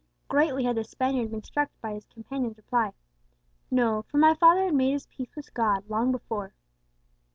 Greatly had the Spaniard been struck by his companion's reply, "No; for my father had made his peace with God long before."